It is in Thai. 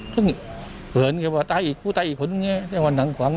เผื่อนว่าตายอีกครูตายอีกคนเชื่อว่านั่งควัง